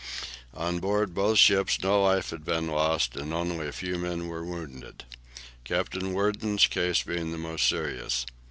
On board both ships no life had been lost, and only a few men were wounded, Captain Worden's case being the most serious.